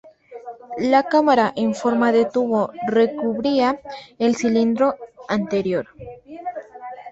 La cámara, en forma de tubo, recubría el cilindro anterior.